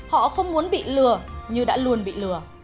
họ không muốn bị lừa như đã luôn bị lừa